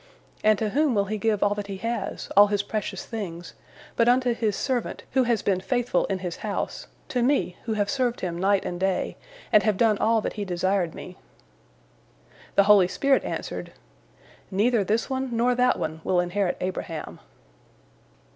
And to whom will he give all that he has, all his precious things, but unto his servant, who has been faithful in his house, to me, who have served him night and day, and have done all that he desired me?" The holy spirit answered, "Neither this one nor that one will inherit Abraham."